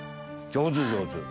上手上手。